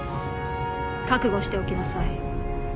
覚悟しておきなさい。